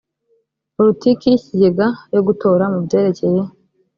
politiki y ikigega yo gutora mu byerekeye